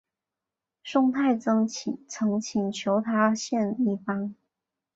宋太宗曾请求他献医方。